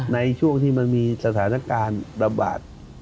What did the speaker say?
ในช่วงที่มันมีสถานการณ์ระบาด